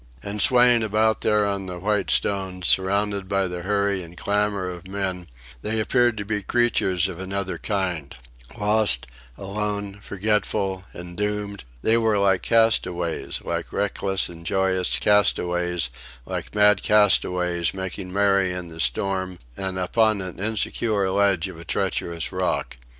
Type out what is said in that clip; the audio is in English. And swaying about there on the white stones, surrounded by the hurry and clamour of men, they appeared to be creatures of another kind lost, alone, forgetful, and doomed; they were like castaways, like reckless and joyous castaways, like mad castaways making merry in the storm and upon an insecure ledge of a treacherous rock.